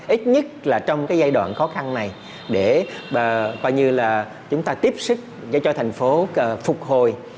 ít nhất là trong cái giai đoạn khó khăn này để coi như là chúng ta tiếp sức cho thành phố phục hồi